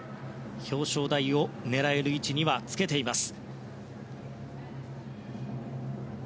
表彰台を狙える位置にはつけています。